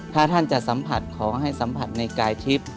ถ้าท่านจะสัมผัสของให้สัมผัสในกายทิพย์